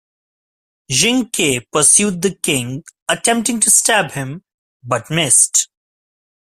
Jing Ke pursued the king, attempting to stab him, but missed.